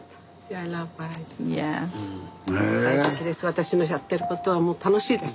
私のやってることはもう楽しいです。